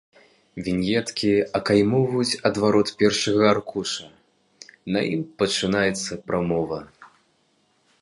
Віньеткі акаймоўваюць адварот першага аркуша, на ім пачынаецца прамова.